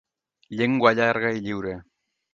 Llengua llarga i lliure.